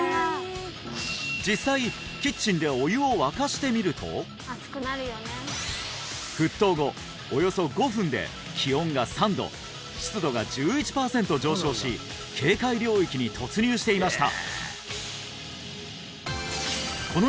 実際沸騰後およそ５分で気温が３度湿度が１１パーセント上昇し警戒領域に突入していました